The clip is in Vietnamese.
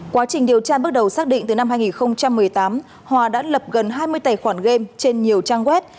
quá trình điều tra bước đầu xác định từ năm hai nghìn một mươi tám hòa đã lập gần hai mươi tài khoản game trên nhiều trang web